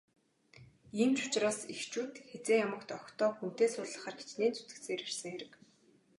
Ийм ч учраас эхчүүд хэзээ ямагт охидоо хүнтэй суулгахаар хичээн зүтгэсээр ирсэн хэрэг.